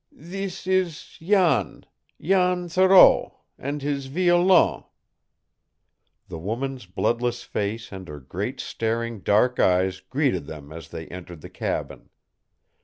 "Thees is Jan Jan Thoreau and his violon " The woman's bloodless face and her great staring dark eyes greeted them as they entered the cabin.